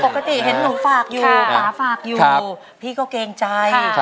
ปกติเห็นหนูฝากอยู่ป่าฝากอยู่พี่ก็เกรงใจ